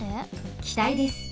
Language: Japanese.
きたいです。